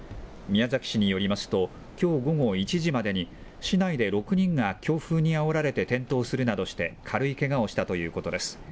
宮崎市によりますと、きょう午後１時までに、市内で６人が強風にあおられて転倒するなどして、軽いけがをしたということです。